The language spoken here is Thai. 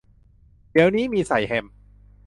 เดี๋ยวนี้มีใส่แฮม